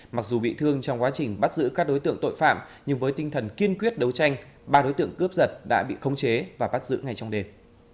mặc dù bị thương trong quá trình bắt giữ các đối tượng tội phạm nhưng với tinh thần kiên quyết đấu tranh ba đối tượng cướp giật đã bị khống chế và bắt giữ ngay trong đêm